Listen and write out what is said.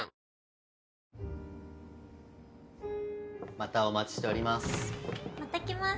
またお待ちしております。